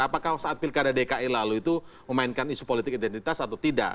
apakah saat pilkada dki lalu itu memainkan isu politik identitas atau tidak